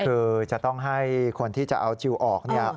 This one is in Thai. คือจะต้องให้คนที่จะเอาจิลออกเนี่ย